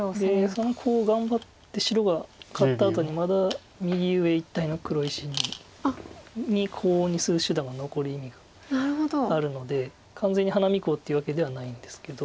そのコウを頑張って白が勝ったあとにまだ右上一帯の黒石にコウにする手段が残る意味があるので完全に花見コウっていうわけではないんですけど。